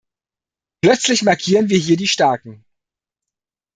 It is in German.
Plötzlich markieren wir hier die Starken.